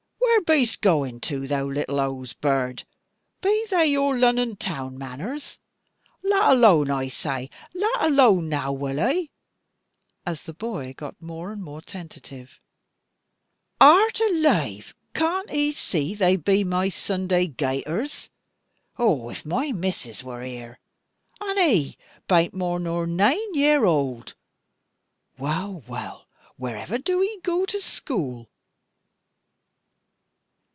Where bee'st gooin to, thou little hosebird; be they your Lunnon town manners? Lat alo un, I zay; lat alo un now, wull 'e?" as the boy got more and more tentative "Heart alaive, cant e zee, they be my Zunday gaiters? Oh, if my missus wor here! And 'e bain't more nor naine year old! Wull, wull, where ever do 'e goo to schoüll?"